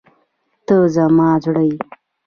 ته زما زړه یې.